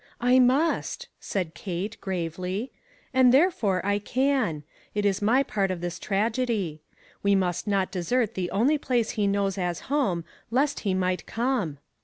"I must," said Kate, gravely, "and there fore I can ; it is my part of this tragedy. We must not desert the only place he knows as home, lest he might come."